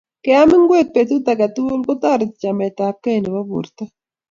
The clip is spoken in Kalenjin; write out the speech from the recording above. Keam ngwek petut age tugul ko toreti chametapkei nebo porto